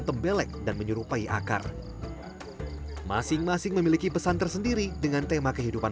tembelek dan menyerupai akar masing masing memiliki pesan tersendiri dengan tema kehidupan